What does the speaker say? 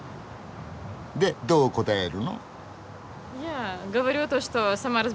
でどう答えるの？